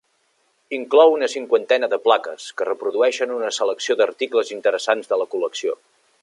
Inclou una cinquantena de plaques, que reprodueixen una selecció d'articles interessants de la col·lecció.